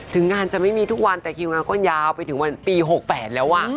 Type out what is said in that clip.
ถึงงานจะไม่มีทุกวันแต่คิวงานก็ยาวไปถึงวันปี๖๘แล้ว